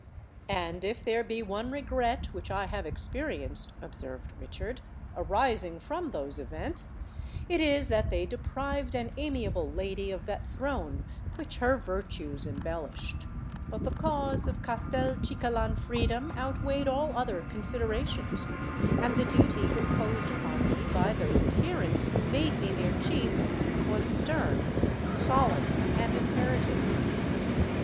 "And if there be one regret which I have experienced," observed Richard, "arising from those events, it is that they deprived an amiable lady of that throne which her virtues embellished. But the cause of Castelcicalan freedom outweighed all other considerations; and the duty imposed upon me by those adherents who made me their Chief, was stern, solemn, and imperative."